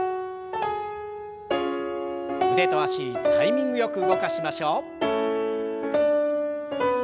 腕と脚タイミングよく動かしましょう。